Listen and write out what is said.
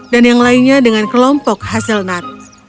dan yang lainnya dengan kelompok hazelnut